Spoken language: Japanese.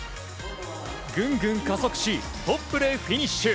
ぐんぐん加速しトップでフィニッシュ。